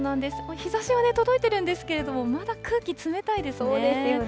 日ざしは届いているんですけれども、まだ空気冷たいですよね。